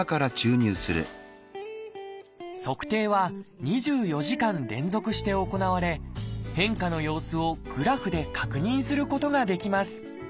測定は２４時間連続して行われ変化の様子をグラフで確認することができます。